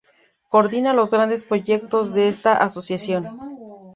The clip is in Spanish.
Coordina los grandes proyectos de esta asociación.